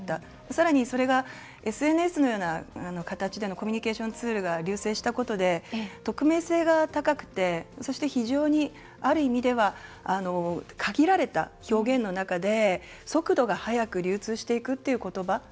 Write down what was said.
さらに、それがＳＮＳのような形でのコミュニケーションツールが隆盛したことで、匿名性が高くてそして非常に、ある意味では限られた表現の中で、速度が速く流通していくっていう言葉